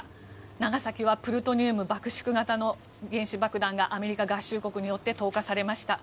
長崎はプルトニウム爆縮型の原子爆弾がアメリカ合衆国によって投下されました。